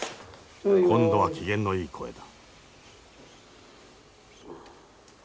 今度は機嫌のいい声だ。